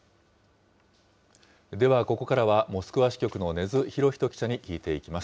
では、ここからはモスクワ支局の禰津博人記者に聞いていきます。